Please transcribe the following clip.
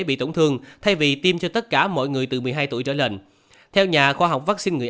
bị tổn thương thay vì tiêm cho tất cả mọi người từ một mươi hai tuổi trở lên theo nhà khoa học vắc xin người